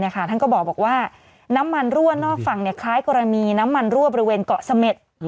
ท่านก็บอกว่าน้ำมันรั่วนอกฝั่งคล้ายกรณีน้ำมันรั่วบริเวณเกาะเสม็ด